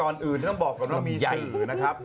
เลือกต่อมีสื่อนะครับ